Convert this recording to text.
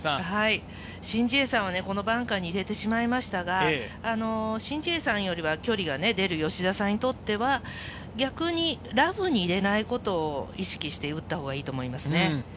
シン・ジエさんは、このバンカーに入れてしまいましたが、シン・ジエさんよりは距離が出る吉田さんにとっては、逆にラフに入れないことを意識して打ったほうがいいと思いますね。